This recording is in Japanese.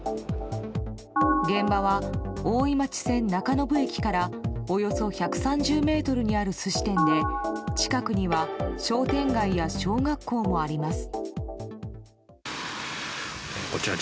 現場は大井町線中延駅からおよそ１３０ｍにある寿司店で近くには商店街や小学校もあります。